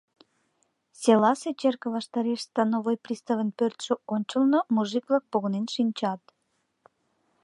Селасе черке ваштареш становой приставын пӧртшӧ ончылно мужик-влак погынен шинчат.